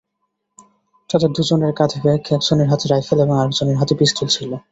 তাঁদের দুজনের কাঁধে ব্যাগ, একজনের হাতে রাইফেল এবং আরেকজনের হাতে পিস্তল ছিল।